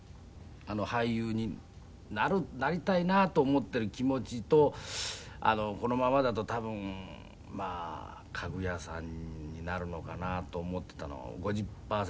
俳優になりたいなと思っている気持ちとこのままだと多分家具屋さんになるのかなと思っていたの５０パーセントぐらいだったんですけどね。